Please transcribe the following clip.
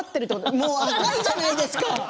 もう赤いじゃないですか。